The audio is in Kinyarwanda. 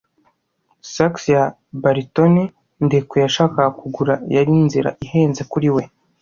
Sax ya baritone Ndekwe yashakaga kugura yari inzira ihenze kuri we.